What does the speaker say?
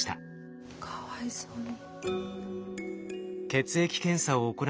かわいそうに。